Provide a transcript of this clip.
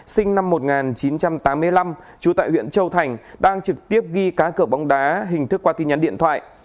sinh năm một nghìn chín trăm tám mươi năm trú tại huyện châu thành đang trực tiếp ghi cá cửa bóng đá hình thức qua tin nhắn điện thoại